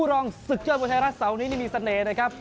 รองศึกยอดมวยไทยรัฐเสาร์นี้นี่มีเสน่ห์นะครับ